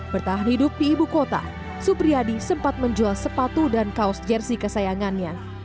bertahan hidup di ibu kota supriyadi sempat menjual sepatu dan kaos jersi kesayangannya